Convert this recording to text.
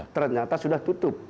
ternyata sudah tutup